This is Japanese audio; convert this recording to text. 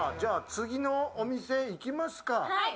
次のお店へ行きますか。